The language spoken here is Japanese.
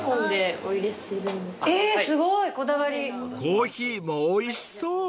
［コーヒーもおいしそう］